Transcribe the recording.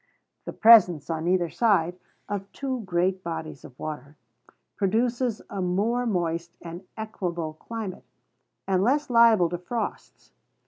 The presence, on either side, of two great bodies of water, produces a more moist and equable climate, and less liability to frosts.